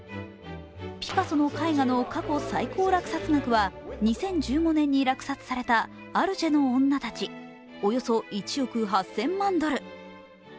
ピカソの絵画の過去最高落札額は２０１５年に落札された「アルジェの女たち」、およそ１億８０００万ドル。